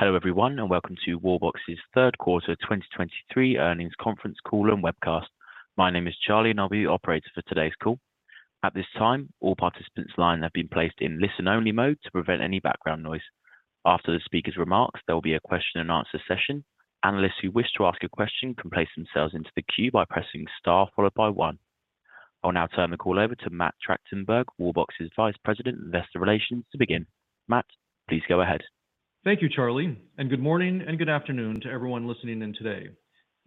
Hello everyone, and welcome to Wallbox's Third Quarter 2023 Earnings Conference Call and the ebcast. My name is Charlie, and I'll be your operator for today's call. At this time, all participants' lines have been placed in listen-only mode to prevent any background noise. After the speaker's remarks, there will be a question-and-answer session. Analysts who wish to ask a question can place themselves into the queue by pressing star followed by one. I'll now turn the call over to Matt Tractenberg, Wallbox's Vice President, Investor Relations, to begin. Matt, please go ahead. Thank you, Charlie, and good morning and good afternoon to everyone listening in today.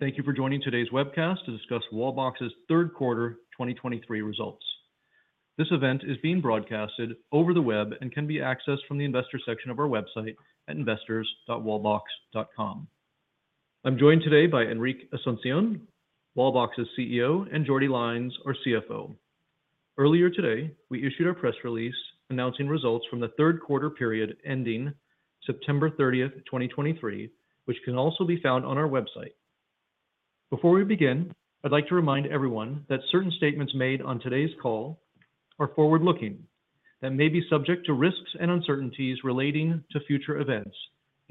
Thank you for joining today's webcast to discuss Wallbox's third quarter 2023 results. This event is being broadcasted over the web and can be accessed from the investor section of our website at investors.wallbox.com. I'm joined today by Enric Asunción, Wallbox's CEO, and Jordi Lainz, our CFO. Earlier today, we issued a press release announcing results from the third quarter period ending September 30th, 2023, which can also be found on our website. Before we begin, I'd like to remind everyone that certain statements made on today's call are forward-looking and may be subject to risks and uncertainties relating to future events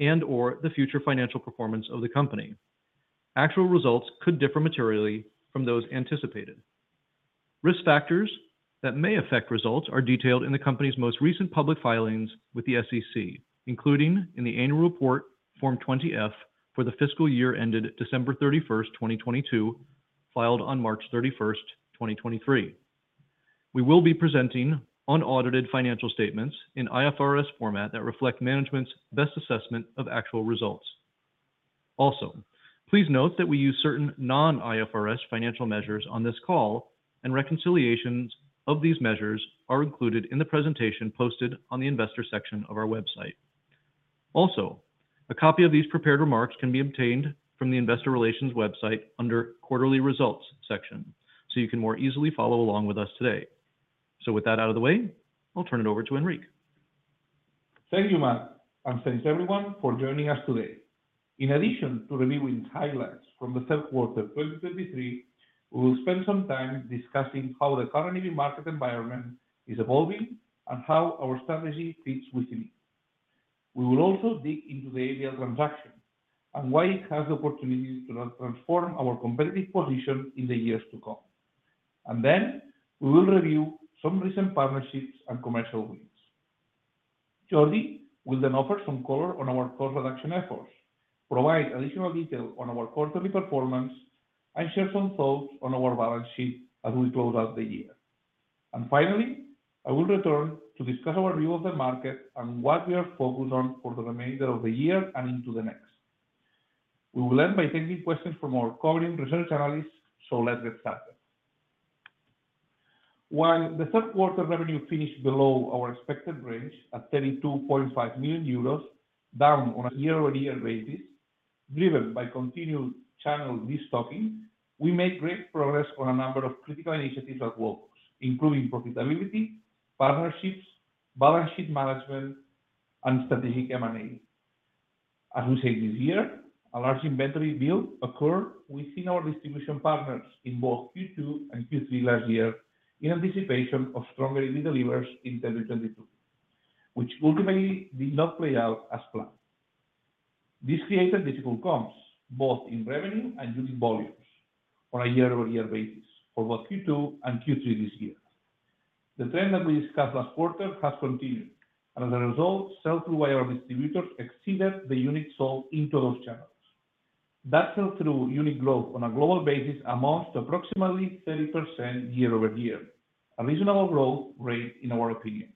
and/or the future financial performance of the company. Actual results could differ materially from those anticipated. Risk factors that may affect results are detailed in the company's most recent public filings with the SEC, including in the annual report Form 20-F for the fiscal year ended December 31st, 2022, filed on March 31stto, 2023. We will be presenting unaudited financial statements in IFRS format that reflect management's best assessment of actual results. Also, please note that we use certain non-IFRS financial measures on this call, and reconciliations of these measures are included in the presentation posted on the investor section of our website. Also, a copy of these prepared remarks can be obtained from the investor relations website under Quarterly Results section, so you can more easily follow along with us today. So with that out of the way, I'll turn it over to Enric. Thank you, Matt, and thanks everyone for joining us today. In addition to reviewing highlights from the third quarter 2023, we will spend some time discussing how the current market environment is evolving and how our strategy fits within it. We will also dig into the ABL transaction and why it has the opportunity to transform our competitive position in the years to come. Then we will review some recent partnerships and commercial wins. Jordi will then offer some color on our cost reduction efforts, provide additional detail on our quarterly performance, and share some thoughts on our balance sheet as we close out the year. Finally, I will return to discuss our view of the market and what we are focused on for the remainder of the year and into the next. We will end by taking questions from our covering research analysts, so let's get started. While the third quarter revenue finished below our expected range at 32.5 million euros, down on a year-over-year basis, driven by continued channel destocking, we made great progress on a number of critical initiatives at Wallbox, including profitability, partnerships, balance sheet management, and strategic M&A. As we said this year, a large inventory build occurred within our distribution partners in both Q2 and Q3 last year in anticipation of stronger EV deliveries in 2022, which ultimately did not play out as planned. This created difficult comps, both in revenue and unit volumes, on a year-over-year basis for both Q2 and Q3 this year. The trend that we discussed last quarter has continued, and as a result, sell-through by our distributors exceeded the units sold into those channels. That sell-through unit growth on a global basis amounts to approximately 30% year-over-year, a reasonable growth rate in our opinion.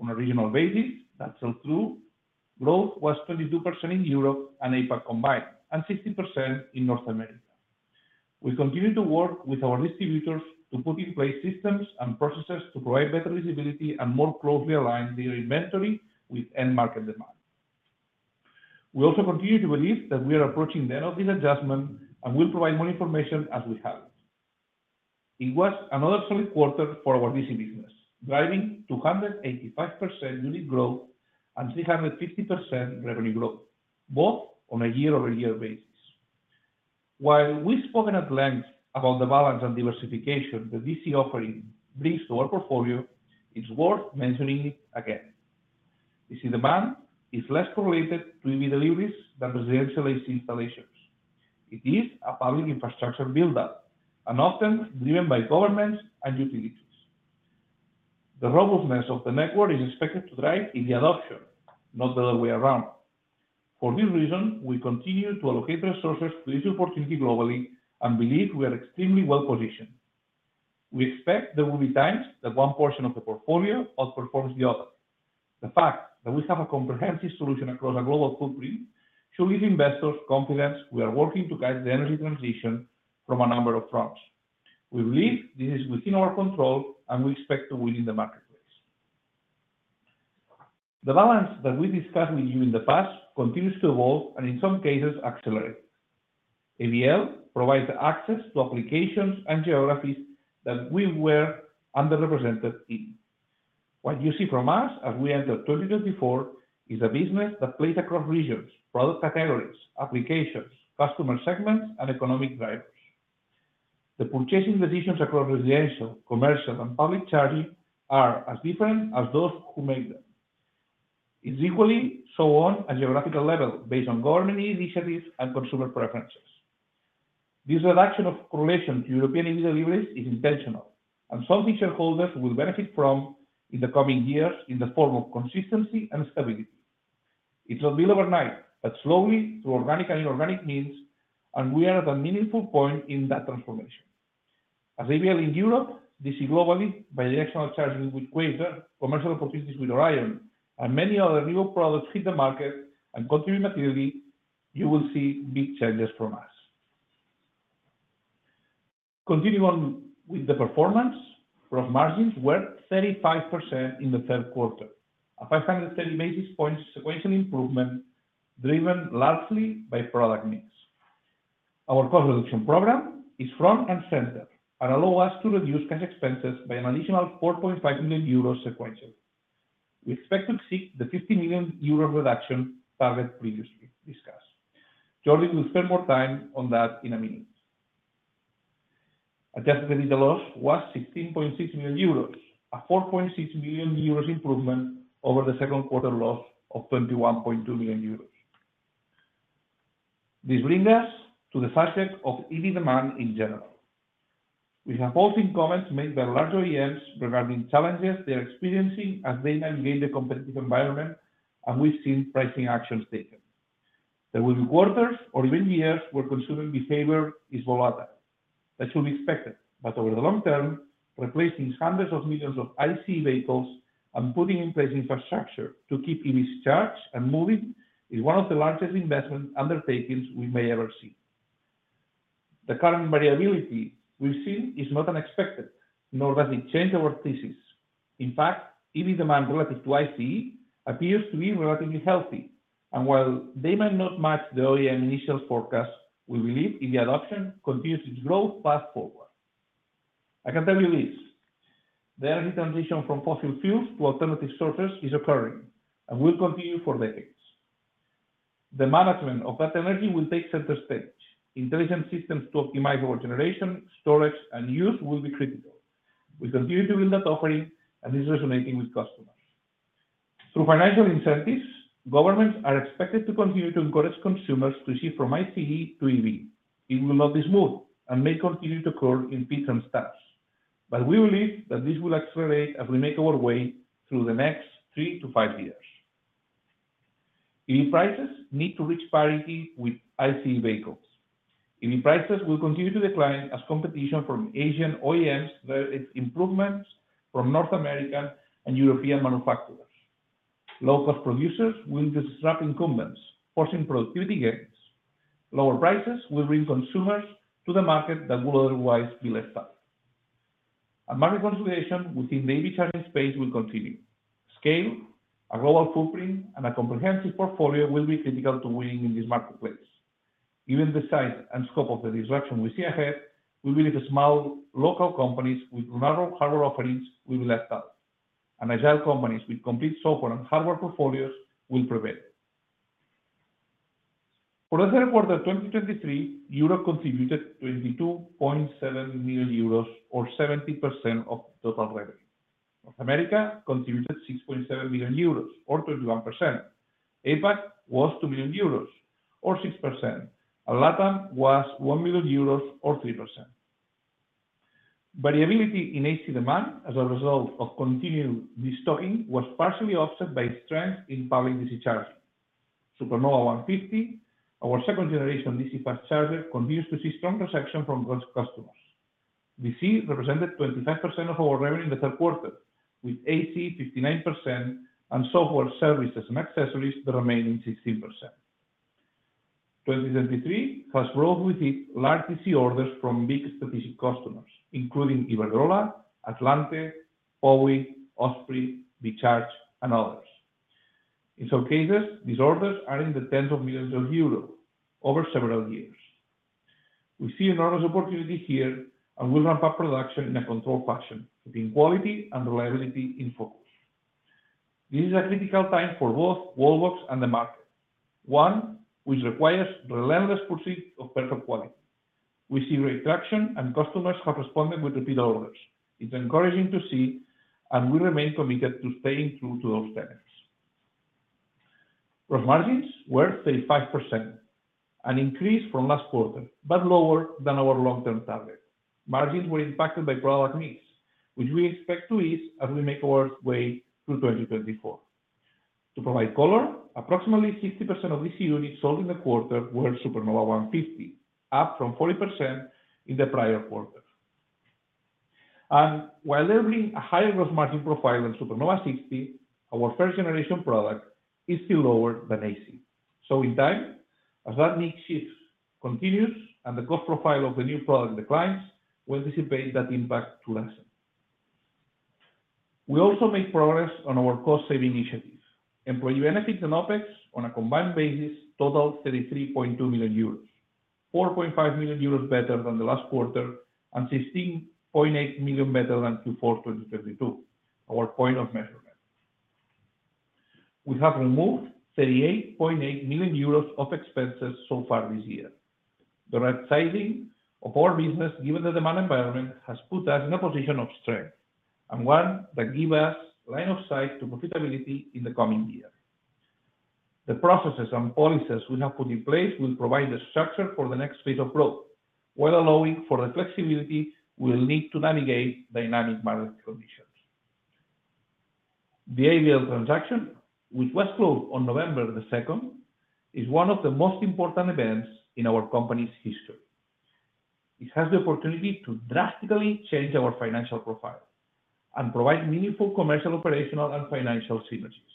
On a regional basis, that sell-through growth was 32% in Europe and APAC combined, and 16% in North America. We continue to work with our distributors to put in place systems and processes to provide better visibility and more closely align their inventory with end-market demand. We also continue to believe that we are approaching the end of this adjustment and will provide more information as we have it. It was another solid quarter for our DC business, driving 285% unit growth and 350% revenue growth, both on a year-over-year basis. While we've spoken at length about the balance and diversification the DC offering brings to our portfolio, it's worth mentioning it again. DC demand is less correlated to EV deliveries than residential AC installations. It is a public infrastructure buildup and is often driven by governments and utilities. The robustness of the network is expected to drive EV adoption, not the other way around. For this reason, we continue to allocate resources to this opportunity globally and believe we are extremely well-positioned. We expect there will be times that one portion of the portfolio outperforms the other. The fact that we have a comprehensive solution across a global footprint should give investors confidence we are working to guide the energy transition from a number of fronts. We believe this is within our control, and we expect to win in the marketplace. The balance that we discussed with you in the past continues to evolve and, in some cases, accelerate. ABL provides access to applications and geographies that we were underrepresented in. What you see from us as we enter 2024 is a business that plays across regions, product categories, applications, customer segments, and economic drivers. The purchasing decisions across residential, commercial, and public charging are as different as those who make them. It's equally so on a geographical level, based on government initiatives and consumer preferences. This reduction of correlation to European deliveries is intentional, and some shareholders will benefit from in the coming years in the form of consistency and stability. It will build overnight, but slowly, through organic and inorganic means, and we are at a meaningful point in that transformation. As we build in Europe, DC globally, bidirectional charging with Quasar, Commercial Opportunities with Orion, and many other new products hit the market and contribute materially, you will see big changes from us. Continuing on with the performance, gross margins were 35% in the third quarter, a 530 basis points sequential improvement, driven largely by product mix. Our Cost Reduction Program is front and center and allow us to reduce cash expenses by an additional 4.5 million euros sequentially. We expect to see the 50 million euro reduction target previously discussed. Jordi will spend more time on that in a minute. Adjusted EBITDA loss was 16.6 million euros, a 4.6 million euros improvement over the second quarter loss of 21.2 million euros. This brings us to the subject of EV demand in general. We have all seen comments made by large OEMs regarding challenges they are experiencing as they navigate the competitive environment, and we've seen pricing actions taken. There will be quarters or even years where consumer behavior is volatile. That should be expected, but over the long term, replacing hundreds of millions of ICE vehicles and putting in place infrastructure to keep EVs charged and moving, is one of the largest investment undertakings we may ever see. The current variability we've seen is not unexpected, nor does it change our thesis. In fact, EV demand relative to ICE appears to be relatively healthy, and while they might not match the OEM initial forecast, we believe EV adoption continues its growth path forward. I can tell you this, the energy transition from fossil fuels to alternative sources is occurring and will continue for decades. The management of that energy will take center stage. Intelligent systems to optimize our generation, storage, and use will be critical. We continue to build that offering, and it's resonating with customers. Through financial incentives, governments are expected to continue to encourage consumers to shift from ICE to EV, even though this move may continue to occur in peaks and troughs, but we believe that this will accelerate as we make our way through the next three-five years. EV prices need to reach parity with ICE vehicles. EV prices will continue to decline as competition from Asian OEMs, where it's improvements from North American and European manufacturers. Low-cost producers will disrupt incumbents, forcing productivity gains. Lower prices will bring consumers to the market that will otherwise be left out. A market consolidation within the EV charging space will continue. Scale, a global footprint, and a comprehensive portfolio will be critical to winning in this marketplace. Given the size and scope of the disruption we see ahead, we believe small local companies with narrow hardware offerings will be left out, and agile companies with complete software and hardware portfolios will prevail. For the third quarter of 2023, Europe contributed 22.7 million euros, or 70% of total revenue. North America contributed 6.7 million euros, or 31%. APAC was 2 million euros, or 6%, and LATAM was 1 million euros, or 3%. Variability in AC demand as a result of continued destocking was partially offset by strength in public DC charging. Supernova 150, our Second-Generation DC Fast Charger, continues to see strong reception from those customers. DC represented 25% of our revenue in the third quarter, with AC 59%, and software, services, and accessories, the remaining 16%. 2023 has brought with it large DC orders from big strategic customers, including Iberdrola, Atlante, Ooi, Osprey, B-Charge, and others. In some cases, these orders are in the tens of millions of EUR over several years. We see enormous opportunity here, and we'll ramp up production in a controlled fashion, keeping quality and reliability in focus. This is a critical time for both Wallbox and the market, one which requires relentless pursuit of better quality. We see great traction, and customers have responded with repeat orders. It's encouraging to see, and we remain committed to staying true to those tenets. Gross margins were 35%, an increase from last quarter, but lower than our long-term target. Margins were impacted by product mix, which we expect to ease as we make our way through 2024. To provide color, approximately 60% of DC units sold in the quarter were Supernova 150, up from 40% in the prior quarter. While they bring a higher gross margin profile than Supernova 60, our first generation product is still lower than AC. So in time, as that mix shift continues and the cost profile of the new product declines, we anticipate that impact to lessen. We also made progress on our cost-saving initiatives. Employee benefits and OpEx on a combined basis totaled 33.2 million euros, 4.5 million euros better than the last quarter and 16.8 million better than Q4 2022, our point of measurement. We have removed 38.8 million euros of expenses so far this year. The right sizing of our business, given the demand environment, has put us in a position of strength and one that give us line of sight to profitability in the coming year. The processes and policies we have put in place will provide the structure for the next phase of growth, while allowing for the flexibility we'll need to navigate dynamic market conditions. The ABL transaction, which was closed on November the second, is one of the most important events in our company's history. It has the opportunity to drastically change our financial profile and provide meaningful commercial, operational, and financial synergies.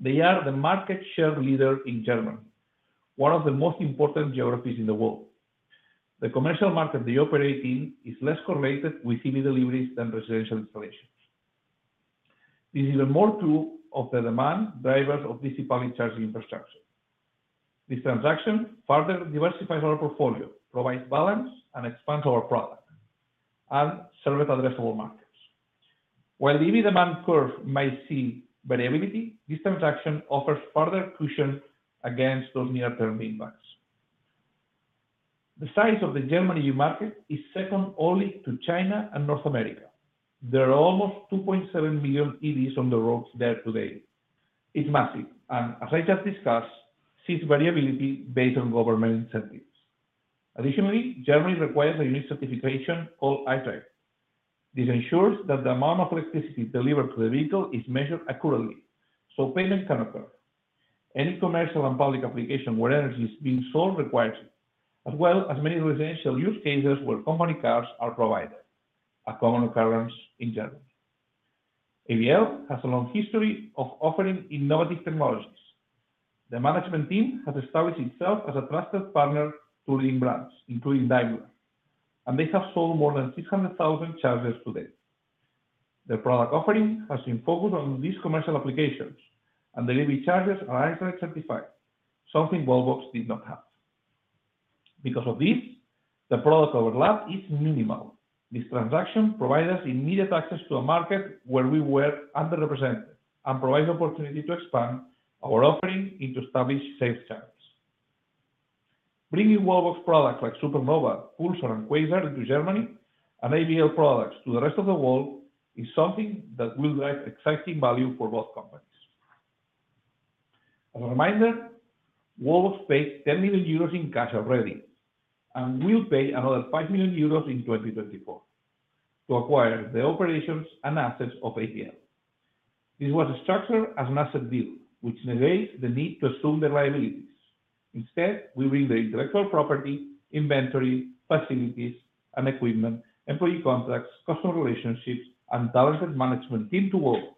They are the market share leader in Germany, one of the most important geographies in the world. The commercial market they operate in is less correlated with EV deliveries than residential installations. This is a more true of the demand drivers of DC public charging infrastructure. This transaction further diversifies our portfolio, provides balance, and expands our product and service addressable markets. While the EV demand curve might see variability, this transaction offers further cushion against those near-term impacts. The size of the Germany market is second only to China and North America. There are almost 2.7 million EVs on the roads there today. It's massive, and as I just discussed, sees variability based on government incentives. Additionally, Germany requires a unique certification called Eichrecht. This ensures that the amount of electricity delivered to the vehicle is measured accurately, so payment can occur. Any commercial and public application where energy is being sold requires it, as well as many residential use cases where company cars are provided, a common occurrence in Germany. ABL has a long history of offering innovative technologies. The management team has established itself as a trusted partner to leading brands, including Daimler, and they have sold more than 600,000 chargers to date. Their product offering has been focused on these commercial applications, and their EV chargers are Eichrecht certified, something Wallbox did not have. Because of this, the product overlap is minimal. This transaction provides us immediate access to a market where we were underrepresented and provides opportunity to expand our offering into established sales channels. Bringing Wallbox products like Supernova, Pulsar, and Quasar into Germany, and ABL products to the rest of the world, is something that will drive exciting value for both companies. As a reminder, Wallbox paid 10 million euros in cash already and will pay another 5 million euros in 2024 to acquire the operations and assets of ABL. This was structured as an asset deal, which negates the need to assume the liabilities. Instead, we bring the intellectual property, inventory, facilities and equipment, employee contracts, customer relationships, and talented management team to Wallbox.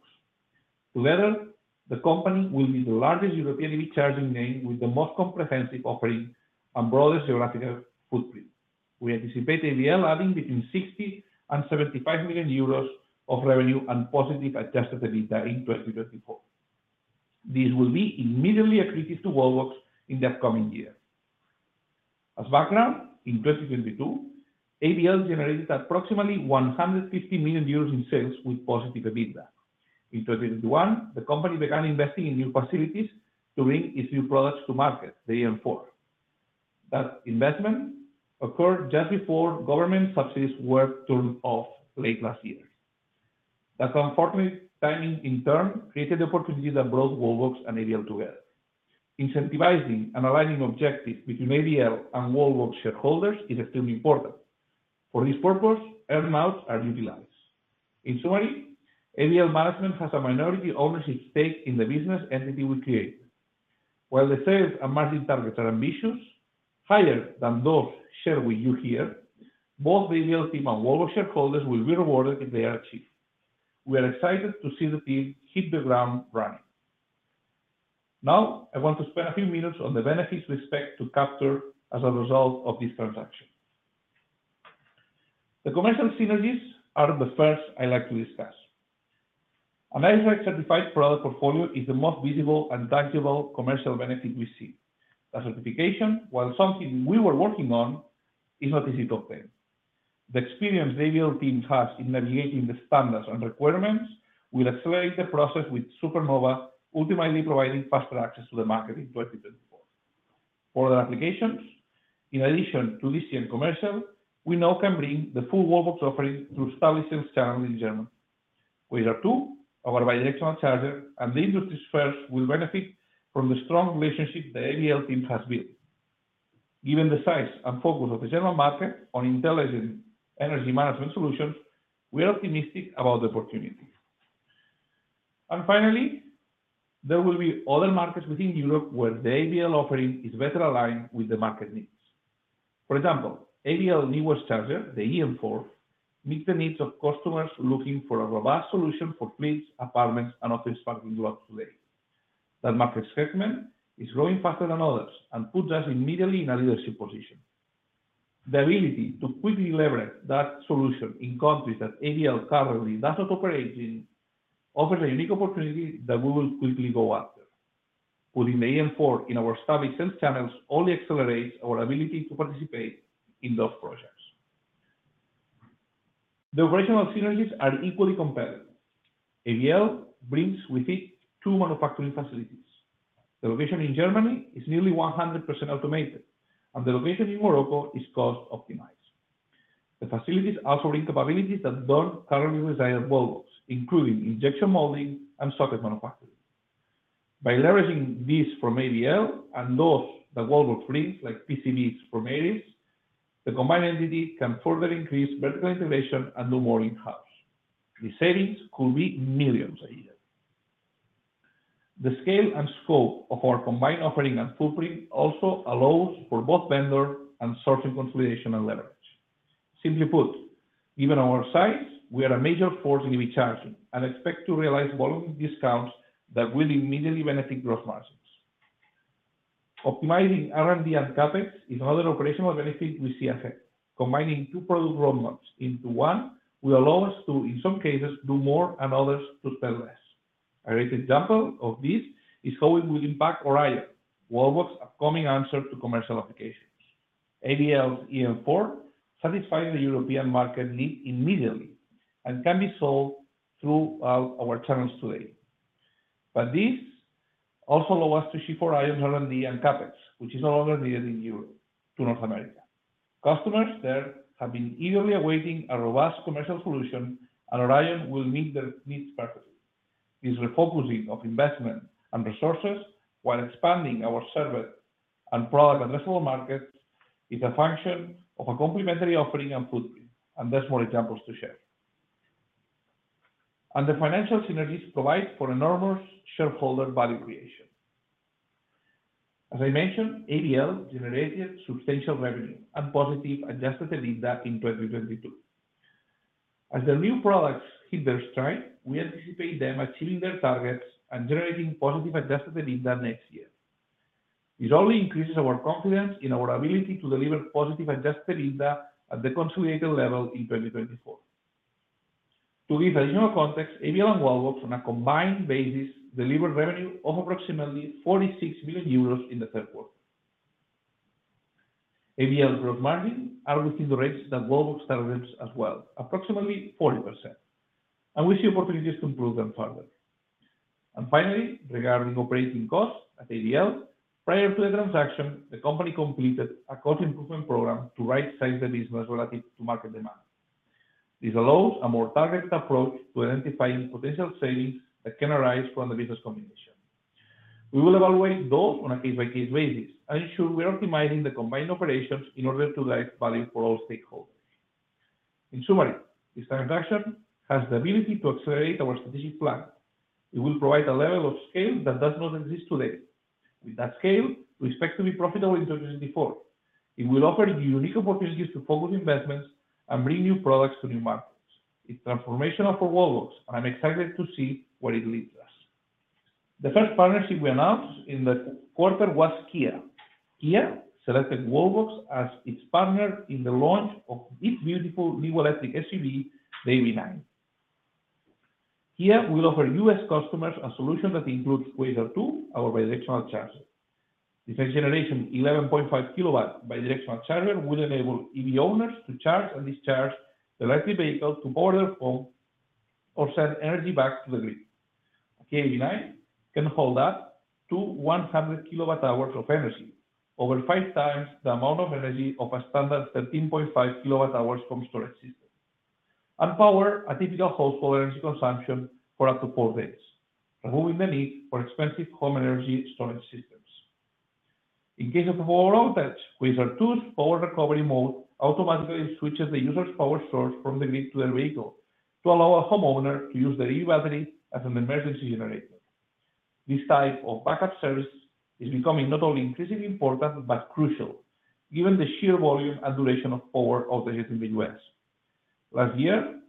Together, the company will be the largest European EV charging name with the most comprehensive offering and broader geographical footprint. We anticipate ABL adding between 60 million and 75 million euros of revenue and positive adjusted EBITDA in 2024. This will be immediately accretive to Wallbox in that coming year. As background, in 2022, ABL generated approximately 150 million euros in sales with positive EBITDA. In 2021, the company began investing in new facilities to bring its new products to market, the eM4. That investment occurred just before government subsidies were turned off late last year. That unfortunate timing, in turn, created the opportunity that brought Wallbox and ABL together. Incentivizing and aligning objectives between ABL and Wallbox shareholders is extremely important. For this purpose, earn-outs are utilized. In summary, ABL management has a minority ownership stake in the business entity we create. While the sales and margin targets are ambitious, higher than those shared with you here, both the ABL team and Wallbox shareholders will be rewarded if they are achieved. We are excited to see the team hit the ground running. Now, I want to spend a few minutes on the benefits we expect to capture as a result of this transaction. The commercial synergies are the first I'd like to discuss. An Eichrecht-certified product portfolio is the most visible and tangible commercial benefit we see. The certification, while something we were working on, is not easy to obtain. The experience the ABL team has in navigating the standards and requirements will accelerate the process with Supernova, ultimately providing faster access to the market in 2024. For other applications, in addition to DC and commercial, we now can bring the full Wallbox offering through established sales channels in Germany. Quasar two, our Bidirectional Charger, and the industry's first, will benefit from the strong relationship the ABL team has built. Given the size and focus of the German market on intelligent energy management solutions, we are optimistic about the opportunity. And finally, there will be other markets within Europe where the ABL offering is better aligned with the market needs. For example, ABL's newest charger, the eM4, meets the needs of customers looking for a robust solution for fleets, apartments, and office parking lots today. That market segment is growing faster than others and puts us immediately in a leadership position. The ability to quickly leverage that solution in countries that ABL currently does not operate in, offers a unique opportunity that we will quickly go after. Putting the eM4 in our established sales channels only accelerates our ability to participate in those projects. The operational synergies are equally compelling. ABL brings with it two manufacturing facilities. The location in Germany is nearly 100% automated, and the location in Morocco is cost-optimized. The facilities also bring capabilities that don't currently reside at Wallbox, including injection molding and socket manufacturing. By leveraging these from ABL and those that Wallbox brings, like PCBs from Ares, the combined entity can further increase vertical integration and do more in-house. The savings could be millions a year. The scale and scope of our combined offering and footprint also allows for both vendor and sourcing consolidation and leverage. Simply put, given our size, we are a major force in EV charging and expect to realize volume discounts that will immediately benefit gross margins. Optimizing R&D and CapEx is another operational benefit we see ahead. Combining two product roadmaps into one will allow us to, in some cases, do more and others to spend less. A great example of this is how it will impact Orion, Wallbox's upcoming answer to commercial applications. ABL's eM4 satisfies the European market need immediately and can be sold through our channels today. But this also allows us to ship Orion's R&D and CapEx, which is no longer needed in Europe, to North America. Customers there have been eagerly awaiting a robust commercial solution, and Orion will meet their needs perfectly. This refocusing of investment and resources while expanding our service and product addressable markets is a function of a complementary offering and footprint, and there's more examples to share. The financial synergies provide for enormous shareholder value creation. As I mentioned, ABL generated substantial revenue and positive adjusted EBITDA in 2022. As the new products hit their stride, we anticipate them achieving their targets and generating positive adjusted EBITDA next year. This only increases our confidence in our ability to deliver positive adjusted EBITDA at the consolidated level in 2024. To give an annual context, ABL and Wallbox, on a combined basis, delivered revenue of approximately 46 million euros in the third quarter. ABL's gross margins are within the range that Wallbox targets as well, approximately 40%, and we see opportunities to improve them further. Finally, regarding operating costs at ABL, prior to the transaction, the company completed a cost improvement program to right-size the business relative to market demand. This allows a more targeted approach to identifying potential savings that can arise from the business combination. We will evaluate those on a case-by-case basis and ensure we're optimizing the combined operations in order to drive value for all stakeholders. In summary, this transaction has the ability to accelerate our strategic plan. It will provide a level of scale that does not exist today. With that scale, we expect to be profitable in 2024. It will offer unique opportunities to focus investments and bring new products to new markets. It's transformational for Wallbox, and I'm excited to see where it leads us. The first partnership we announced in the quarter was Kia. Kia selected Wallbox as its partner in the launch of this beautiful new electric SUV, the EV9. Kia will offer U.S. customers a solution that includes Quasar 2 full-year, our bidirectional charger. This next-generation, 11.5 kW bidirectional charger will enable EV owners to charge and discharge their electric vehicle to power their home or send energy back to the grid. The EV9 can hold up to 100 kWh of energy, over five times the amount of energy of a standard 13.5 kWh home storage system, and power a typical household energy consumption for up to five days, removing the need for expensive home energy storage systems. In case of a power outage, Quasar 2's power recovery mode automatically switches the user's power source from the grid to their vehicle to allow a homeowner to use their EV battery as an emergency generator. This type of backup service is becoming not only increasingly important, but crucial, given the sheer volume and duration of power outages in the U.S. Last year,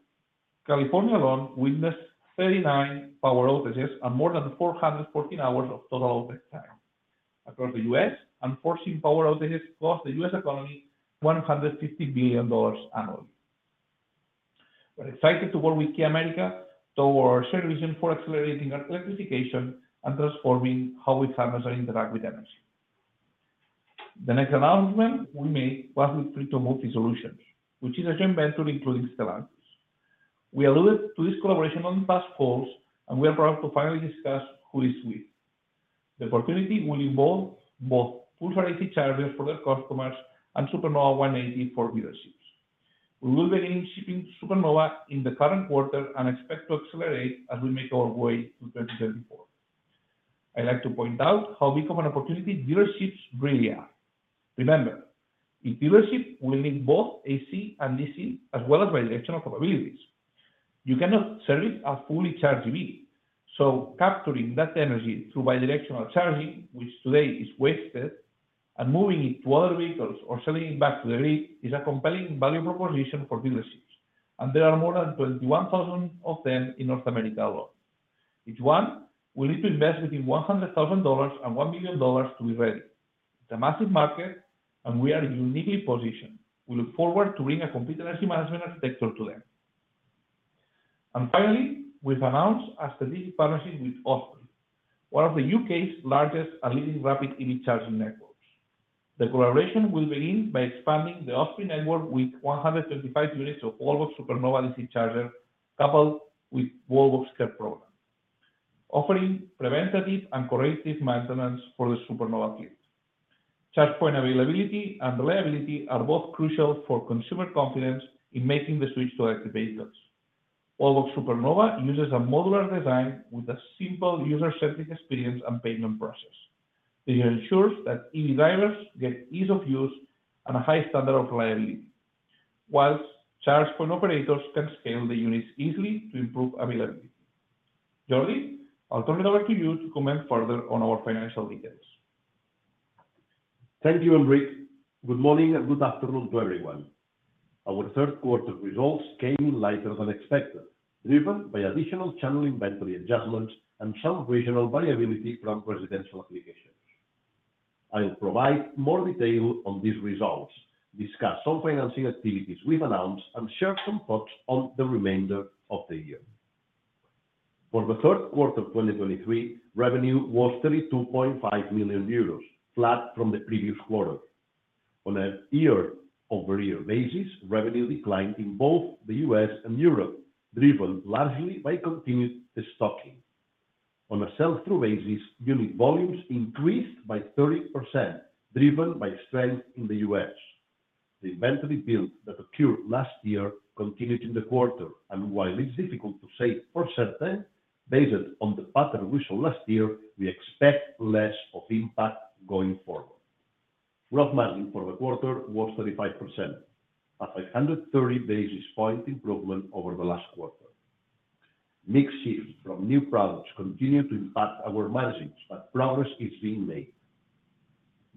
California alone witnessed 39 power outages and more than 414 hours of total outage time. Across the U.S., unforeseen power outages cost the U.S. economy $150 billion annually. We're excited to work with Kia America toward our shared vision for accelerating our electrification and transforming how its customers interact with energy. The next announcement we made was with Free2Move eSolutions, which is a joint venture including Stellantis. We alluded to this collaboration on past calls, and we are proud to finally discuss who this is with. The opportunity will involve both full DC chargers for their customers and Supernova 180 for dealerships. We will begin shipping Supernova in the current quarter and expect to accelerate as we make our way to 2024. I'd like to point out how big of an opportunity dealerships really are. Remember, a dealership will need both AC and DC, as well as bidirectional capabilities. You cannot service a fully charged EV, so capturing that energy through bidirectional charging, which today is wasted, and moving it to other vehicles or selling it back to the grid, is a compelling value proposition for dealerships, and there are more than 21,000 of them in North America alone. Each one will need to invest between $100,000 and $1 million to be ready. It's a massive market, and we are uniquely positioned. We look forward to bringing a complete energy management architecture to them. Finally, we've announced a strategic partnership with Osprey, one of the U.K.'s largest and leading rapid EV charging networks. The collaboration will begin by expanding the Osprey network with 135 units of Wallbox Supernova DC charger, coupled with Wallbox's care program, offering preventative and corrective maintenance for the Supernova fleet. Charge point availability and reliability are both crucial for consumer confidence in making the switch to electric vehicles. Wallbox Supernova uses a modular design with a simple user-centric experience and payment process. It ensures that EV drivers get ease of use and a high standard of reliability, while charge point operators can scale the units easily to improve availability. Jordi, I'll turn it over to you to comment further on our financial details. Thank you, Enric. Good morning and good afternoon to everyone. Our third quarter results came in lighter than expected, driven by additional channel inventory adjustments and some regional variability from residential applications. I will provide more detail on these results, discuss some financing activities we've announced, and share some thoughts on the remainder of the year. For the third quarter of 2023, revenue was 32.5 million euros, flat from the previous quarter. On a year-over-year basis, revenue declined in both the U.S. and Europe, driven largely by continued de-stocking. On a sell-through basis, unit volumes increased by 30%, driven by strength in the U.S. The inventory build that occurred last year continued in the quarter, and while it's difficult to say for certain, based on the pattern we saw last year, we expect less of impact going forward. Gross margin for the quarter was 35%, a 530 basis point improvement over the last quarter. Mix shift from new products continue to impact our margins, but progress is being made.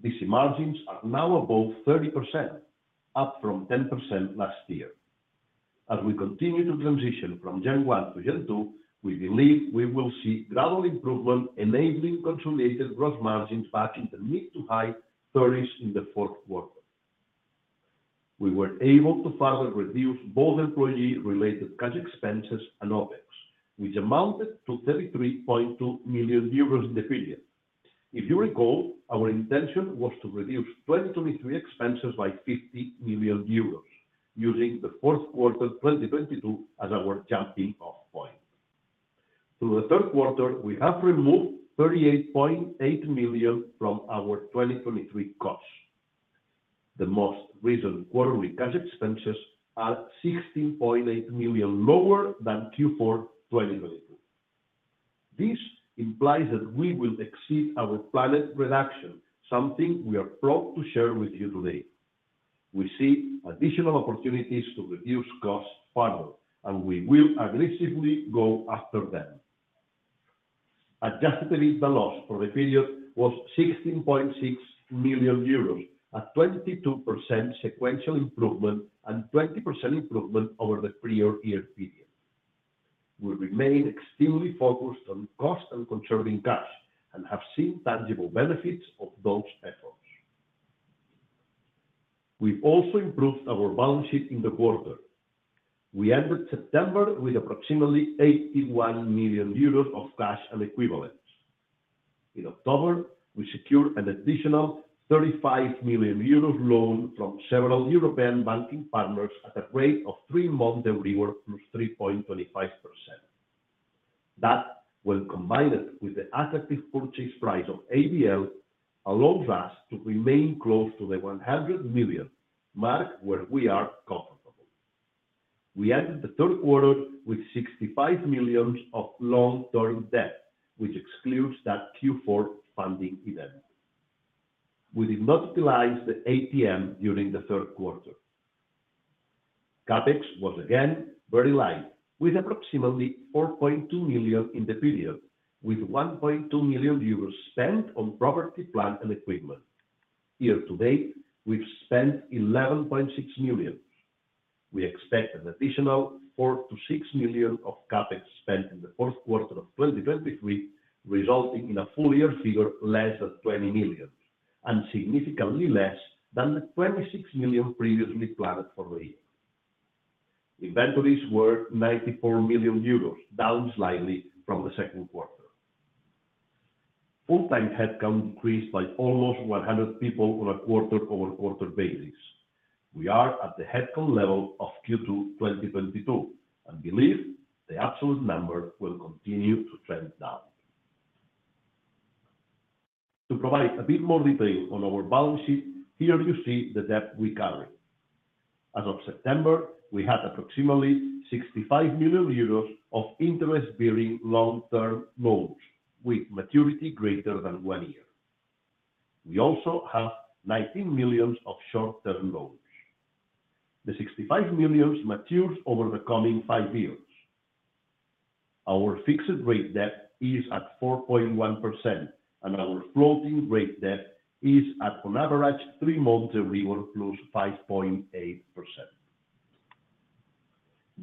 DC margins are now above 30%, up from 10% last year. As we continue to transition from gen one to gen two, we believe we will see gradual improvement, enabling consolidated gross margins back in the mid- to high-30s in the fourth quarter. We were able to further reduce both employee-related cash expenses and OpEx, which amounted to 33.2 million euros in the period. If you recall, our intention was to reduce 2023 expenses by 50 million euros, using the fourth quarter 2022 as our jumping-off point. Through the third quarter, we have removed 38.8 million from our 2023 costs. The most recent quarterly cash expenses are 16.8 million, lower than Q4 2022. This implies that we will exceed our planned reduction, something we are proud to share with you today. We see additional opportunities to reduce costs further, and we will aggressively go after them. Adjusted EBITDA loss for the period was 16.6 million euros, a 22% sequential improvement and 20% improvement over the prior year period. We remain extremely focused on cost and conserving cash, and have seen tangible benefits of those efforts. We've also improved our balance sheet in the quarter. We ended September with approximately 81 million euros of cash and equivalents. In October, we secured an additional 35 million euros loan from several European banking partners at a rate of 3-month EURIBOR + 3.25%. That, when combined with the attractive purchase price of ABL, allows us to remain close to the 100 million mark, where we are comfortable. We ended the third quarter with 65 million of long-term debt, which excludes that Q4 funding event. We did not utilize the ATM during the third quarter. CapEx was again very light, with approximately 4.2 million in the period, with 1.2 million euros spent on property, plant, and equipment. Year to date, we've spent 11.6 million. We expect an additional 4-6 million of CapEx spent in the fourth quarter of 2023, resulting in a full year figure less than 20 million, and significantly less than the 26 million previously planned for the year. Inventories were 94 million euros, down slightly from the second quarter. Full-time headcount decreased by almost 100 people on a quarter-over-quarter basis. We are at the headcount level of Q2 2022, and believe the absolute number will continue to trend down. To provide a bit more detail on our balance sheet, here you see the debt we carry. As of September, we had approximately 65 million euros of interest-bearing long-term loans with maturity greater than one year. We also have 19 million of short-term loans. The 65 million matures over the coming five years. Our fixed-rate debt is at 4.1%, and our floating rate debt is at, on average, three-month EURIBOR +5.8%.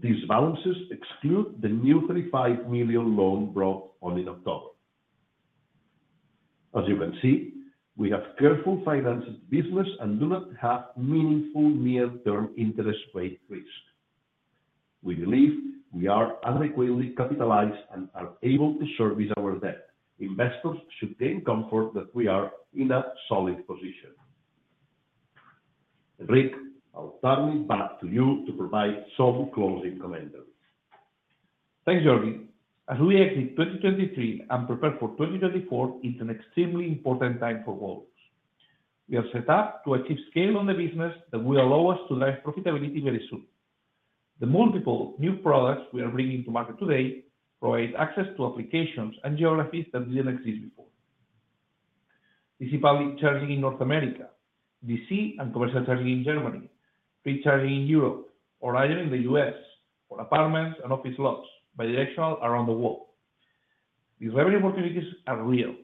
These balances exclude the new 35 million loan brought on in October. As you can see, we have careful financial business and do not have meaningful near-term interest rate risk. We believe we are adequately capitalized and are able to service our debt. Investors should take comfort that we are in a solid position. Enric, I'll turn it back to you to provide some closing comments. Thanks, Jordi. As we exit 2023 and prepare for 2024, it's an extremely important time for Wallbox. We are set up to achieve scale on the business that will allow us to drive profitability very soon. The multiple new products we are bringing to market today provide access to applications and geographies that didn't exist before. DC public charging in North America, DC and commercial charging in Germany, fleet charging in Europe, or either in the US for apartments and office lots, bidirectional around the world. These revenue opportunities are real.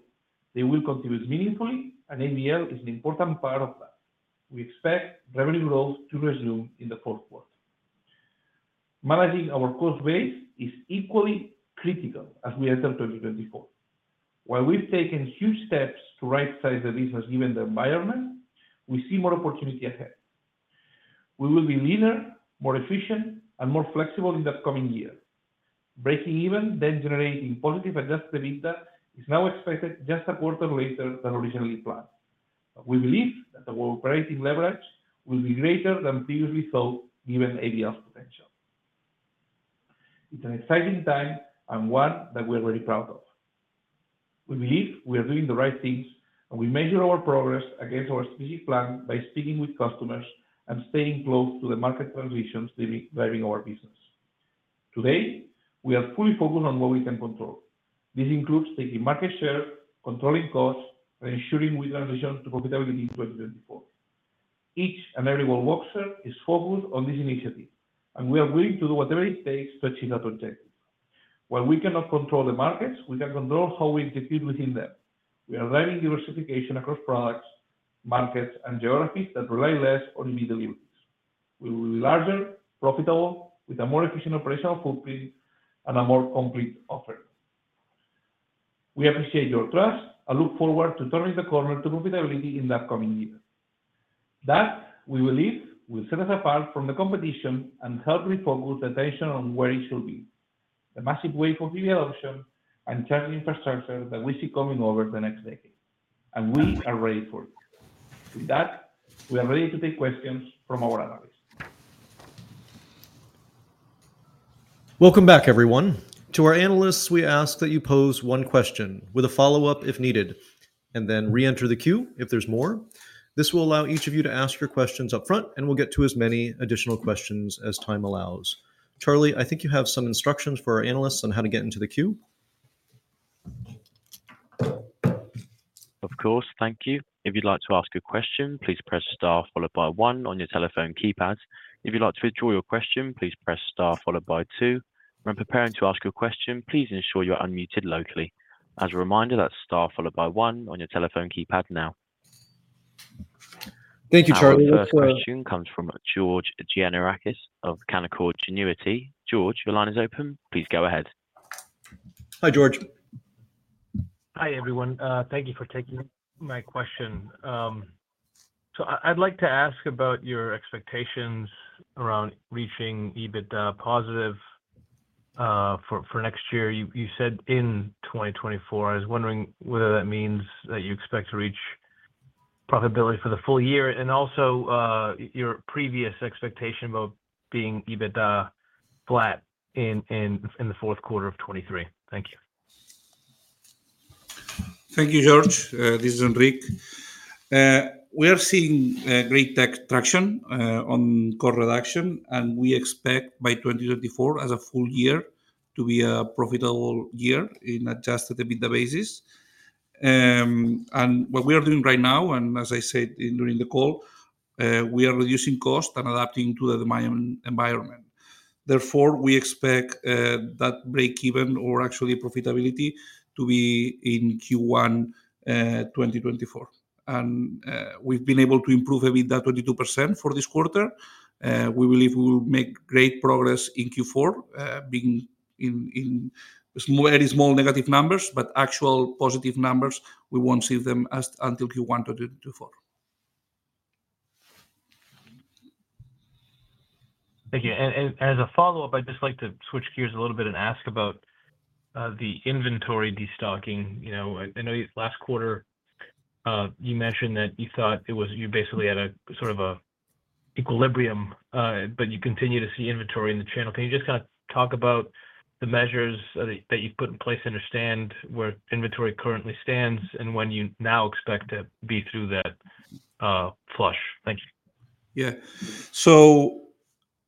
They will contribute meaningfully, and ABL is an important part of that. We expect revenue growth to resume in the fourth quarter. Managing our cost base is equally critical as we enter 2024. While we've taken huge steps to rightsize the business, given the environment, we see more opportunity ahead. We will be leaner, more efficient, and more flexible in the coming year. Breaking even, then generating positive adjusted EBITDA is now expected just a quarter later than originally planned. But we believe that the operating leverage will be greater than previously thought, given ABL's potential. It's an exciting time, and one that we're very proud of. We believe we are doing the right things, and we measure our progress against our strategic plan by speaking with customers and staying close to the market transitions driving our business. Today, we are fully focused on what we can control. This includes taking market share, controlling costs, and ensuring we transition to profitability in 2024. Each and every Volter is focused on this initiative, and we are willing to do whatever it takes to achieve our objective. While we cannot control the markets, we can control how we compete within them. We are driving diversification across products, markets, and geographies that rely less on EV deliveries. We will be larger, profitable, with a more efficient operational footprint and a more complete offering. We appreciate your trust and look forward to turning the corner to profitability in the upcoming year. That, we believe, will set us apart from the competition and help refocus attention on where it should be: the massive wave of EV adoption and charging infrastructure that we see coming over the next decade, and we are ready for it. With that, we are ready to take questions from our analysts. Welcome back, everyone. To our analysts, we ask that you pose one question, with a follow-up, if needed, and then reenter the queue if there is more. This will allow each of you to ask your questions up front, and we'll get to as many additional questions as time allows. Charlie, I think you have some instructions for our analysts on how to get into the queue. Of course. Thank you. If you'd like to ask a question, please press star followed by one on your telephone keypad. If you'd like to withdraw your question, please press star followed by two. When preparing to ask your question, please ensure you're unmuted locally. As a reminder, that's star followed by one on your telephone keypad now. Thank you, Charlie. Our first question comes from George Gianarikas of Canaccord Genuity. George, your line is open. Please go ahead. Hi, George. Hi, everyone. Thank you for taking my question. So I'd like to ask about your expectations around reaching EBITDA positive for next year. You said in 2024, I was wondering whether that means that you expect to reach profitability for the full year, and also your previous expectation about being EBITDA flat in the fourth quarter of 2023. Thank you. Thank you, George. This is Enric. We are seeing great tech traction on cost reduction, and we expect by 2024 as a full year to be a profitable year in adjusted EBITDA basis. And what we are doing right now, and as I said during the call, we are reducing cost and adapting to the environment. Therefore, we expect that break-even or actually profitability to be in Q1 2024. And we've been able to improve EBITDA 22% for this quarter. We believe we will make great progress in Q4 being in small, very small negative numbers, but actual positive numbers, we won't see them until Q1 2024. Thank you. As a follow-up, I'd just like to switch gears a little bit and ask about the inventory destocking. You know, I know last quarter you mentioned that you thought it was-- you basically had a sort of a equilibrium, but you continue to see inventory in the channel. Can you just kind of talk about the measures that you've put in place to understand where inventory currently stands, and when you now expect to be through that flush? Thank you. Yeah. So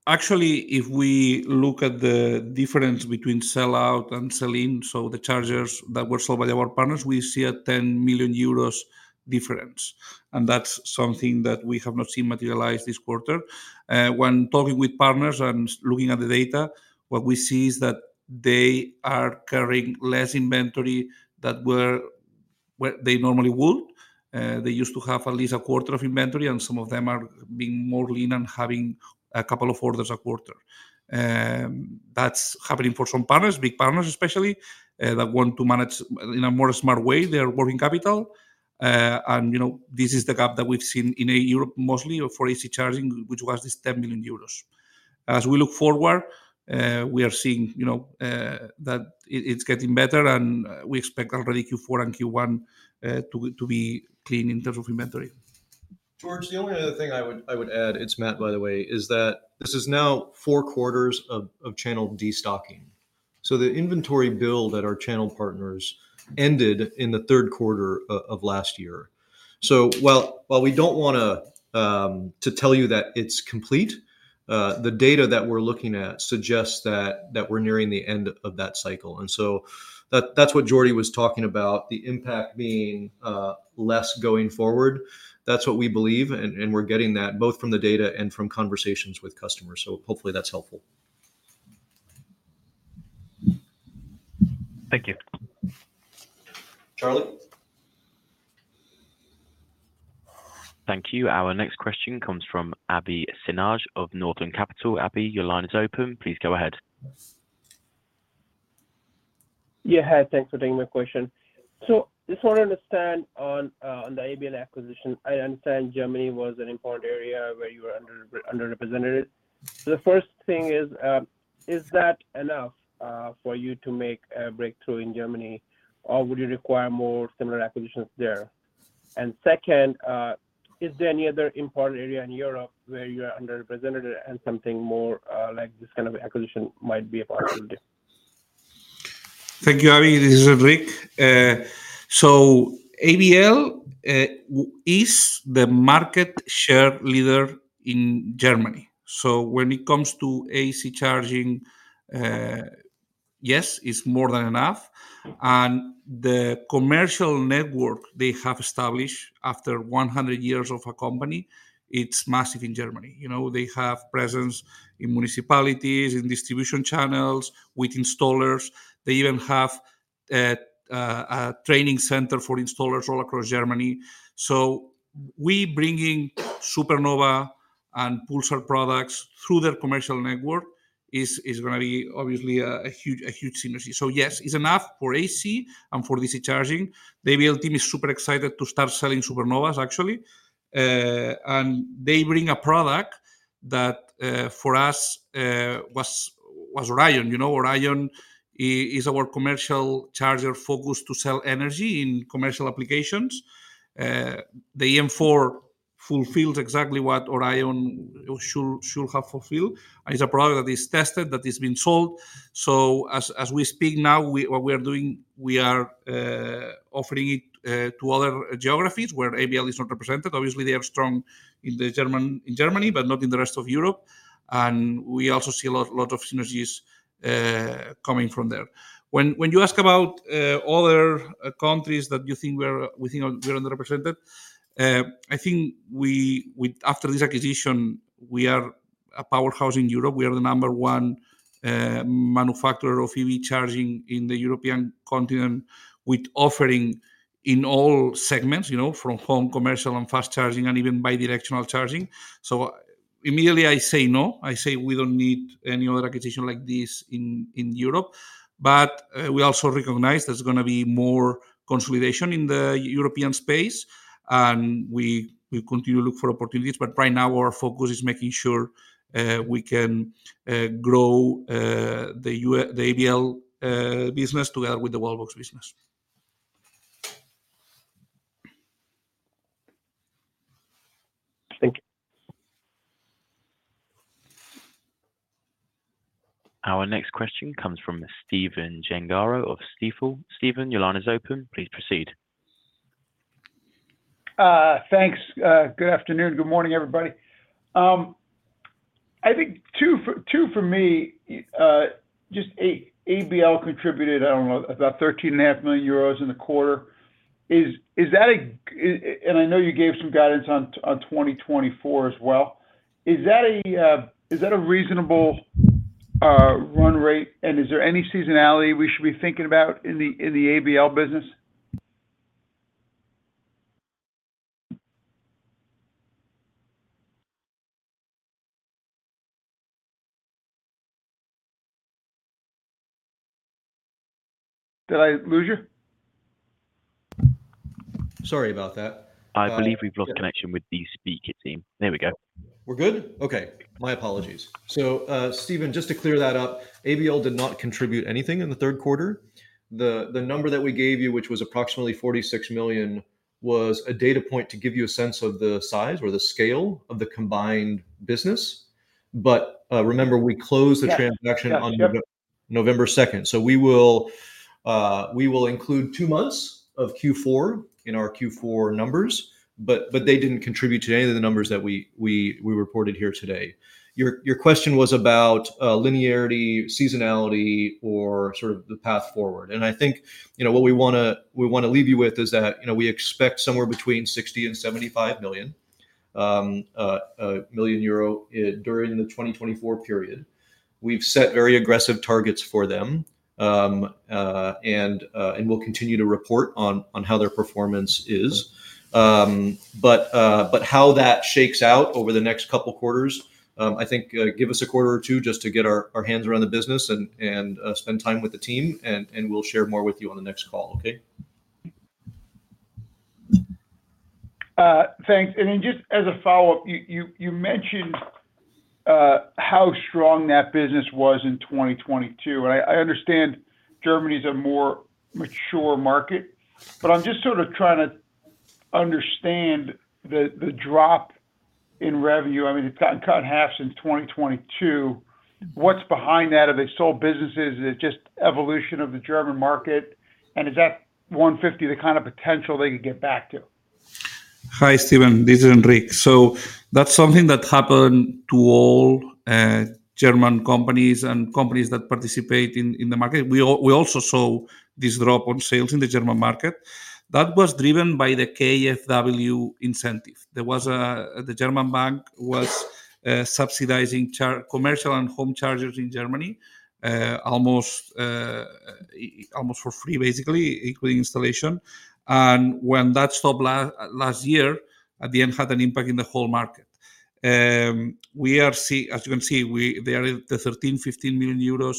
actually, if we look at the difference between sell out and sell in, so the chargers that were sold by our partners, we see a 10 million euros difference, and that's something that we have not seen materialize this quarter. When talking with partners and looking at the data, what we see is that they are carrying less inventory where they normally would. They used to have at least a quarter of inventory, and some of them are being more lean and having a couple of orders a quarter. That's happening for some partners, big partners especially, that want to manage in a more smart way their working capital. And, you know, this is the gap that we've seen in Europe mostly, or for AC charging, which was this 10 million euros. As we look forward, we are seeing, you know, that it's getting better, and we expect already Q4 and Q1 to be clean in terms of inventory. George, the only other thing I would add, it's Matt, by the way, is that this is now four quarters of channel destocking. So the inventory build at our channel partners ended in the third quarter of last year. So while we don't wanna tell you that it's complete, the data that we're looking at suggests that we're nearing the end of that cycle. And so that's what Jordi was talking about, the impact being less going forward. That's what we believe, and we're getting that both from the data and from conversations with customers, so hopefully that's helpful. Thank you. Charlie? Thank you. Our next question comes from Abhi Sinha of Northland Capital. Abhi, your line is open. Please go ahead. Yeah, hi, thanks for taking my question. So just want to understand on the ABL acquisition. I understand Germany was an important area where you were underrepresented. So the first thing is, is that enough for you to make a breakthrough in Germany, or would you require more similar acquisitions there? And second, is there any other important area in Europe where you are underrepresented and something more like this kind of acquisition might be a possibility? Thank you, Abhi. This is Enric. So ABL is the market share leader in Germany. So when it comes to AC charging, yes, it's more than enough. And the commercial network they have established after 100 years of a company, it's massive in Germany. You know, they have presence in municipalities, in distribution channels, with installers. They even have a training center for installers all across Germany. So we bringing Supernova and Pulsar products through their commercial network is gonna be obviously a huge synergy. So yes, it's enough for AC and for DC charging. The ABL team is super excited to start selling Supernovas, actually. And they bring a product that, for us, was Orion. You know, Orion is our commercial charger focused to sell energy in commercial applications. The eM4 fulfills exactly what Orion should have fulfilled, and it's a product that is tested, that has been sold. So as we speak now, what we are doing we are offering it to other geographies where ABL is not represented. Obviously, they are strong in Germany, but not in the rest of Europe, and we also see a lot of synergies coming from there. When you ask about other countries that we think are underrepresented, I think with after this acquisition, we are a powerhouse in Europe. We are the number one manufacturer of EV charging in the European continent, with offering in all segments, you know, from home, commercial, and fast charging, and even bi-directional charging. So immediately, I say no. I say we don't need any other acquisition like this in Europe. But we also recognize there's gonna be more consolidation in the European space, and we continue to look for opportunities. But right now, our focus is making sure we can grow the ABL business together with the Wallbox business. Thank you. Our next question comes from Stephen Gengaro of Stifel. Steven, your line is open. Please proceed. Thanks. Good afternoon, good morning, everybody. I think, too, for me, just ABL contributed, I don't know, about 13.5 million euros in the quarter. Is that a... and I know you gave some guidance on 2024 as well. Is that a reasonable run rate, and is there any seasonality we should be thinking about in the ABL business? Did I lose you? Sorry about that. I believe we've lost connection with the speaker team. There we go. We're good? Okay, my apologies. So, Stephen, just to clear that up, ABL did not contribute anything in the third quarter. The number that we gave you, which was approximately 46 million, was a data point to give you a sense of the size or the scale of the combined business. But, remember, we closed the transaction- Yeah. on November second. So we will, we will include two months of Q4 in our Q4 numbers, but, but they didn't contribute to any of the numbers that we, we, we reported here today. Your question was about linearity, seasonality, or sort of the path forward. And I think, you know, what we wanna, we wanna leave you with is that, you know, we expect somewhere between 60 million-75 million during the 2024 period. We've set very aggressive targets for them, and we'll continue to report on how their performance is. But how that shakes out over the next couple quarters, I think, give us a quarter or two just to get our hands around the business and spend time with the team, and we'll share more with you on the next call, okay? Thanks. And then just as a follow-up, you mentioned how strong that business was in 2022, and I understand Germany is a more mature market, but I'm just sort of trying to understand the drop in revenue. I mean, it's gotten cut in half since 2022. What's behind that? Have they sold businesses? Is it just evolution of the German market? And is that 150 the kind of potential they could get back to? Hi, Stephen, this is Enric. So that's something that happened to all German companies and companies that participate in the market. We also saw this drop on sales in the German market. That was driven by the KfW incentive. The German bank was subsidizing commercial and home chargers in Germany almost for free, basically, including installation. And when that stopped last year at the end, had an impact in the whole market. As you can see, they are in the 13 million-15 million euros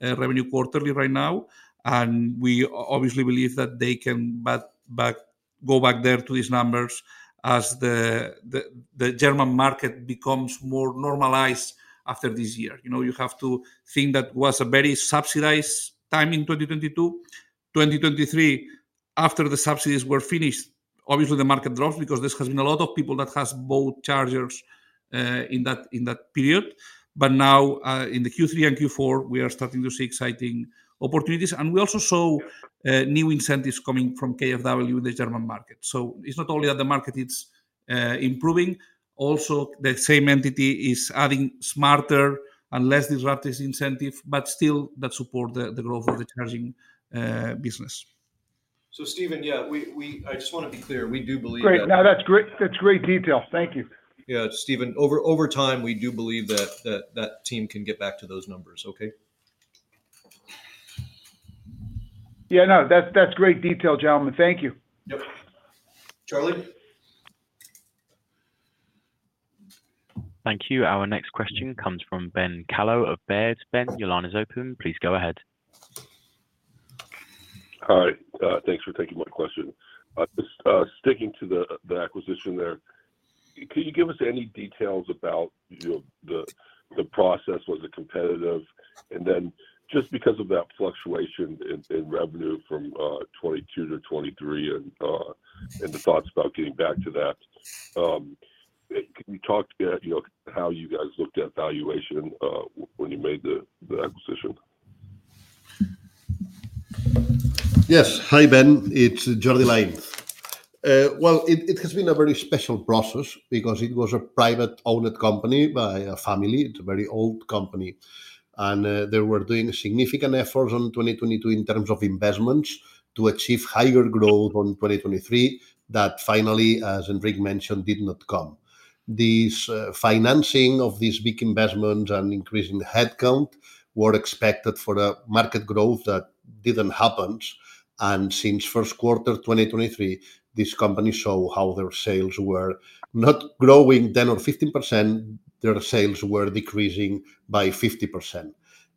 revenue quarterly right now, and we obviously believe that they can go back there to these numbers as the German market becomes more normalized after this year. You know, you have to think that was a very subsidized time in 2022. 2023, after the subsidies were finished, obviously, the market dropped because this has been a lot of people that has bought chargers in that period. But now, in the Q3 and Q4, we are starting to see exciting opportunities, and we also saw new incentives coming from KfW, the German market. So it's not only that the market it's improving, also, the same entity is adding smarter and less disruptive incentive, but still that support the growth of the charging business. So, Stephen, yeah, I just wanna be clear. We do believe that- Great. No, that's great, that's great detail. Thank you. Yeah, Stephen, over time, we do believe that that team can get back to those numbers, okay? Yeah, no, that's, that's great detail, gentlemen. Thank you. Yep. Charlie? Thank you. Our next question comes from Ben Kallo of Baird. Ben, your line is open. Please go ahead. Hi, thanks for taking my question. Just sticking to the acquisition there, could you give us any details about, you know, the process? Was it competitive? And then just because of that fluctuation in revenue from 2022 to 2023 and the thoughts about getting back to that, can you talk to, you know, how you guys looked at valuation when you made the acquisition? Yes. Hi, Ben, it's Jordi Lainz. Well, it has been a very special process because it was a privately owned company by a family. It's a very old company, and they were doing significant efforts on 2022 in terms of investments to achieve higher growth on 2023, that finally, as Enric mentioned, did not come. This financing of this big investment and increasing the headcount were expected for the market growth that didn't happen, and since first quarter 2023, this company saw how their sales were not growing 10% or 15%, their sales were decreasing by 50%.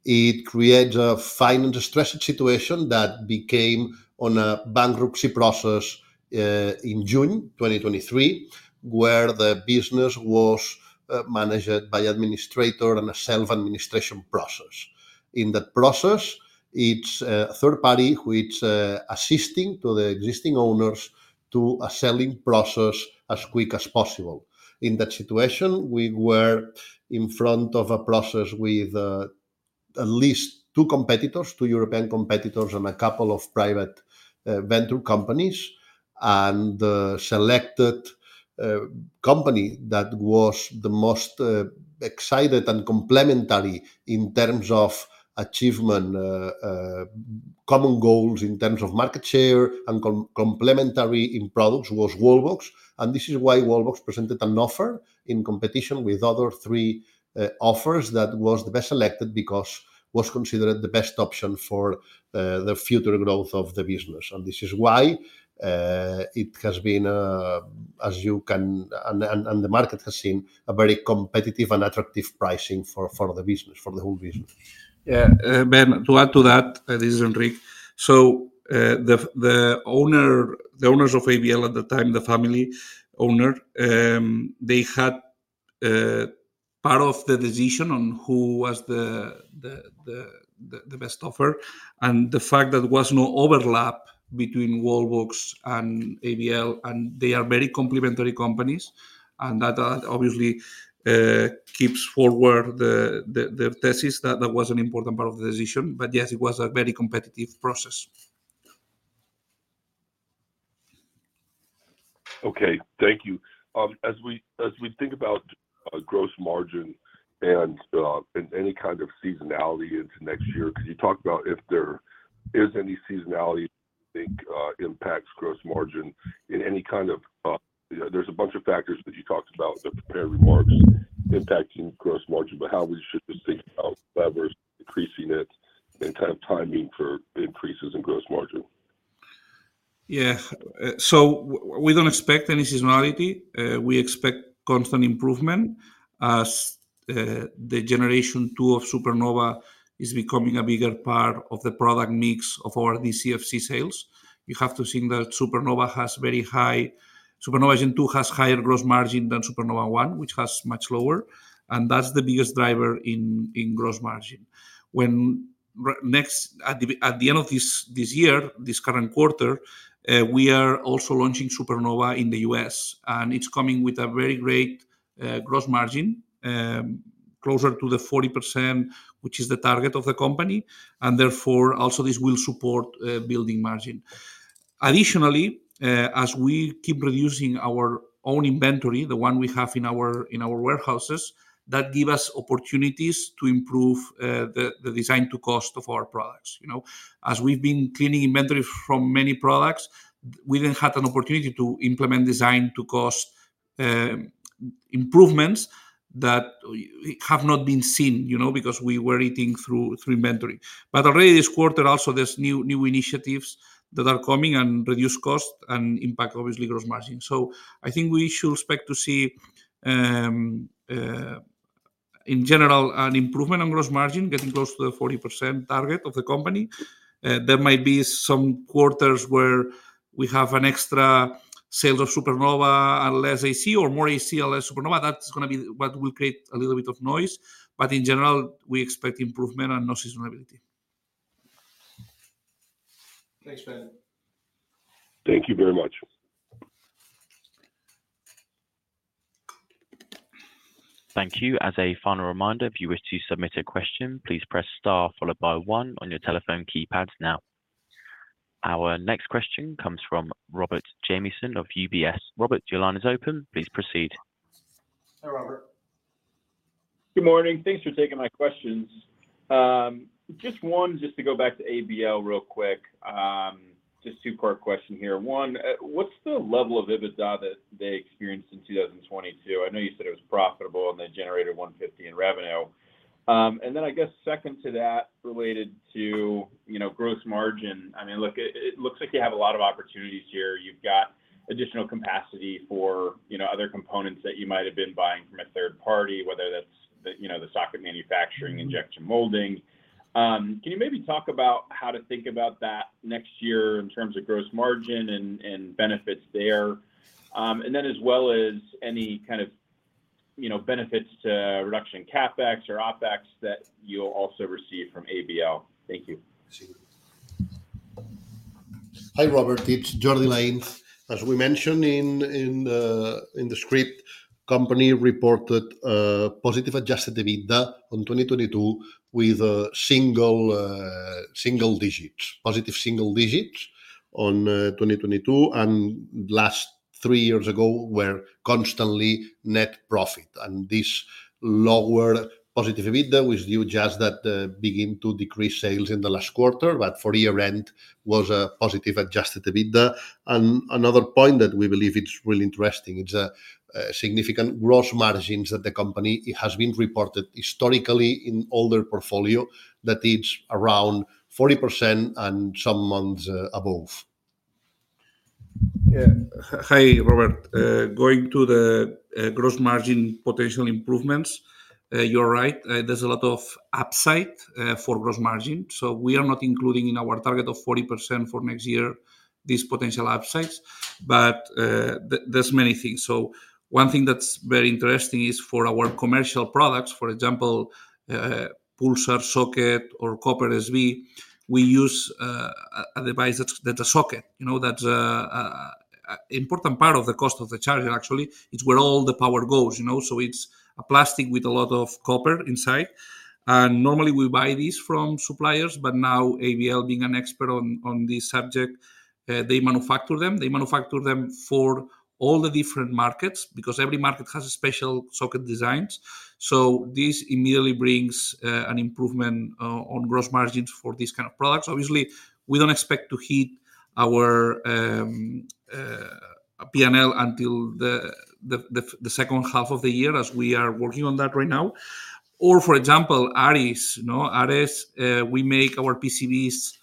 It created a financial stressed situation that became on a bankruptcy process in June 2023, where the business was managed by administrator and a self-administration process. In that process, it's a third party which assisting to the existing owners to a selling process as quick as possible. In that situation, we were in front of a process with at least two competitors, two European competitors, and a couple of private venture companies. The selected company that was the most excited and complementary in terms of achievement common goals in terms of market share and complementary in products, was Wallbox. This is why Wallbox presented an offer in competition with other three offers. That was the best selected because was considered the best option for the future growth of the business, and this is why it has been as you can... and the market has seen a very competitive and attractive pricing for the business, for the whole business. Yeah, Ben, to add to that, this is Enric. So, the owner, the owners of ABL at the time, the family owner, they had part of the decision on who was the best offer, and the fact that there was no overlap between Wallbox and ABL, and they are very complementary companies, and that obviously keeps forward the thesis that that was an important part of the decision. But yes, it was a very competitive process. Okay. Thank you. As we think about gross margin and any kind of seasonality into next year, can you talk about if there is any seasonality? I think impacts gross margin in any kind of yeah, there's a bunch of factors that you talked about in the prepared remarks impacting gross margin, but how we should just think about levers increasing it and kind of timing for increases in gross margin? Yeah. So we don't expect any seasonality. We expect constant improvement as the generation two of Supernova is becoming a bigger part of the product mix of our DCFC sales. You have to think that Supernova has very high... Supernova generation two has higher gross margin than Supernova one, which has much lower, and that's the biggest driver in gross margin. Next, at the end of this year, this current quarter, we are also launching Supernova in the U.S., and it's coming with a very great gross margin closer to the 40%, which is the target of the company, and therefore, also this will support building margin. Additionally, as we keep reducing our own inventory, the one we have in our, in our warehouses that give us opportunities to improve the design to cost of our products. You know, as we've been cleaning inventory from many products, we then had an opportunity to implement design to cost improvements that have not been seen, you know, because we were eating through, through inventory. But already this quarter also, there's new, new initiatives that are coming and reduce cost and impact, obviously, gross margin. So I think we should expect to see, in general, an improvement on gross margin, getting close to the 40% target of the company. There might be some quarters where we have an extra sales of Supernova and less AC or more AC or less Supernova. That's gonna be what will create a little bit of noise, but in general, we expect improvement and no seasonality. Thanks, Ben. Thank you very much. Thank you. As a final reminder, if you wish to submit a question, please press star followed by one on your telephone keypad now. Our next question comes from Robert Jamieson of UBS. Robert, your line is open. Please proceed. Hi, Robert. Good morning. Thanks for taking my questions. Just one, just to go back to ABL real quick, just two-part question here. One, what's the level of EBITDA that they experienced in 2022? I know you said it was profitable, and they generated 150 in revenue. And then I guess second to that, related to, you know, gross margin, I mean, look, it, it looks like you have a lot of opportunities here. You've got additional capacity for, you know, other components that you might have been buying from a third party, whether that's the, you know, the socket manufacturing, injection molding. Can you maybe talk about how to think about that next year in terms of gross margin and, and benefits there? And then, as well as any kind of, you know, benefits to reduction in CapEx or OpEx that you'll also receive from ABL. Thank you. Sure. Hi, Robert, it's Jordi Lainz. As we mentioned in the script, company reported positive adjusted EBITDA on 2022 with a single digits, positive single digits on 2022, and last three years ago were constantly net profit. This lower positive EBITDA was due just that begin to decrease sales in the last quarter, but full-year rent was a positive adjusted EBITDA. Another point that we believe it's really interesting, it's a significant gross margins that the company has been reported historically in all their portfolio, that it's around 40% and some months above. Yeah. Hi, Robert. Going to the gross margin potential improvements, you're right. There's a lot of upside for gross margin, so we are not including in our target of 40% for next year, this potential upsides, but there's many things. So one thing that's very interesting is for our commercial products, for example, Pulsar, Socket or Copper SB, we use a device that's a socket. You know, that's an important part of the cost of the charger, actually. It's where all the power goes, you know, so it's a plastic with a lot of copper inside, and normally we buy these from suppliers, but now ABL, being an expert on this subject, they manufacture them. They manufacture them for all the different markets because every market has a special socket designs. So this immediately brings an improvement on gross margins for these kind of products. Obviously, we don't expect to hit our P&L until the second half of the year, as we are working on that right now. Or for example, Ares, you know, Ares, we make our PCBs,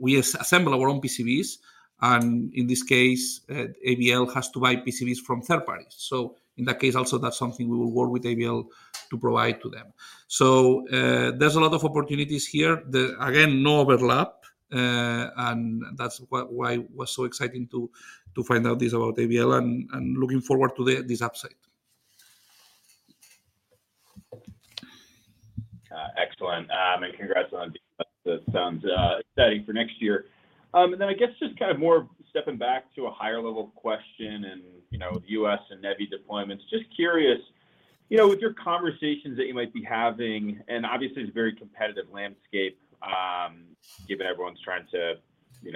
we assemble our own PCBs, and in this case, ABL has to buy PCBs from third parties. So in that case, also, that's something we will work with ABL to provide to them. So, there's a lot of opportunities here. Again, no overlap, and that's why was so exciting to find out this about ABL and looking forward to this upside. Excellent, and congrats on that. That sounds exciting for next year. And then I guess just kind of more stepping back to a higher level question and, you know, U.S. and NEVI deployments, just curious, you know, with your conversations that you might be having, and obviously, it's a very competitive landscape, given everyone's trying to, you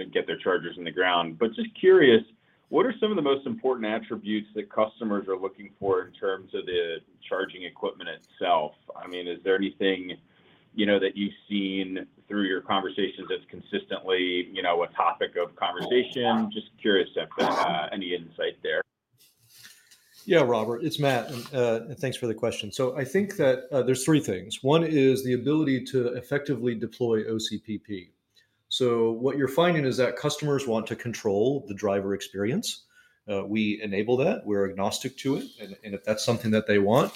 know, and get their chargers in the ground. But just curious, what are some of the most important attributes that customers are looking for in terms of the charging equipment itself? I mean, is there anything, you know, that you've seen through your conversations that's consistently, you know, a topic of conversation? Just curious if any insight there. Yeah, Robert, it's Matt, and thanks for the question. So I think that there's three things. One is the ability to effectively deploy OCPP. So what you're finding is that customers want to control the driver experience. We enable that. We're agnostic to it, and if that's something that they want,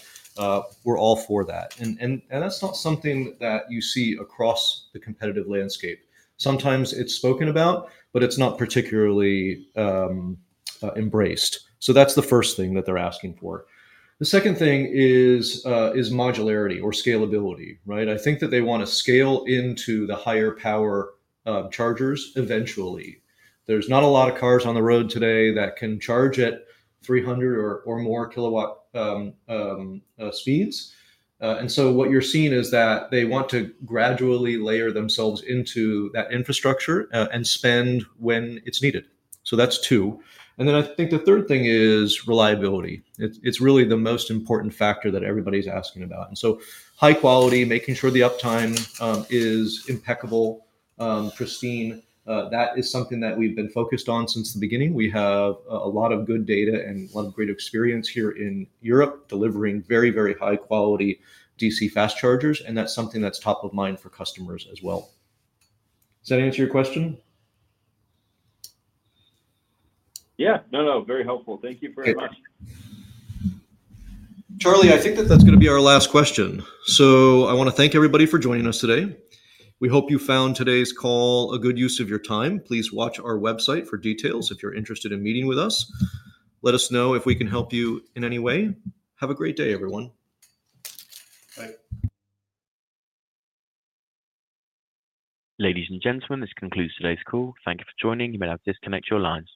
we're all for that. And that's not something that you see across the competitive landscape. Sometimes it's spoken about, but it's not particularly embraced. So that's the first thing that they're asking for. The second thing is modularity or scalability, right? I think that they wanna scale into the higher power chargers eventually. There's not a lot of cars on the road today that can charge at 300 or more kilowatt speeds. And so what you're seeing is that they want to gradually layer themselves into that infrastructure, and spend when it's needed. So that's two. And then I think the third thing is reliability. It's really the most important factor that everybody's asking about, and so high quality, making sure the uptime is impeccable, pristine. That is something that we've been focused on since the beginning. We have a lot of good data and a lot of great experience here in Europe, delivering very, very high-quality DC fast chargers, and that's something that's top of mind for customers as well. Does that answer your question? Yeah. No, no, very helpful. Thank you very much. Okay. Charlie, I think that that's gonna be our last question. So I wanna thank everybody for joining us today. We hope you found today's call a good use of your time. Please watch our website for details if you're interested in meeting with us. Let us know if we can help you in any way. Have a great day, everyone. Bye. Ladies and gentlemen, this concludes today's call. Thank you for joining. You may now disconnect your lines.